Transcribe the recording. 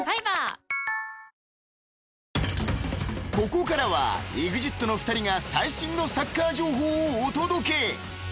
［ここからはＥＸＩＴの２人が最新のサッカー情報をお届け］